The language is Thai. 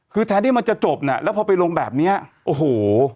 คือแทนที่มันจะจบน่ะแล้วพอไปลงแบบเนี้ยโอ้โห